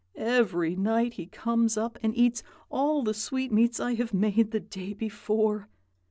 Every night he comes up and eats all the sweetmeats I have made the day before.